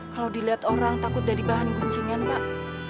kalau dilihat orang takut dari bahan guncingan pak